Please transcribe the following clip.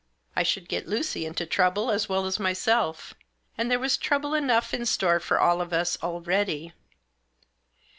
I should get Lucy into trouble as well as myself. And there was trouble enough in store for all of us already.